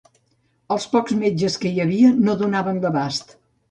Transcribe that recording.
Els pocs metges que hi havia no donaven l'abast